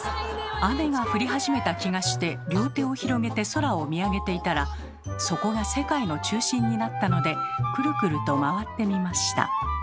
雨が降り始めた気がして両手を広げて空を見上げていたらそこが世界の中心になったのでくるくると回ってみました。